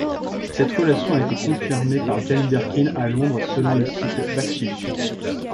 Cette relation a été confirmée par Jane Birkin à Londres selon le site Bakchich.